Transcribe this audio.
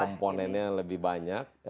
komponennya lebih banyak